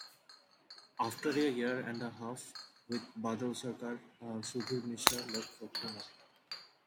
After a year and a half with Badal Sircar, Sudhir Mishra left for Pune.